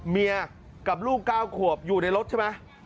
เมียกับลูก๙ขวบอยู่ในรถใช่ไหม